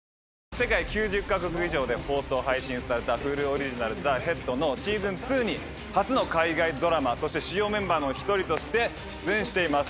世界９０か国以上で放送配信されたＨｕｌｕオリジナル『ＴＨＥＨＥＡＤ』のＳｅａｓｏｎ２に初の海外ドラマそして主要メンバーの１人として出演しています。